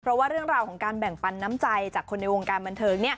เพราะว่าเรื่องราวของการแบ่งปันน้ำใจจากคนในวงการบันเทิง